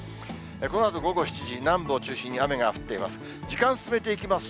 このあと午後７時、南部を中心に雨が降っています。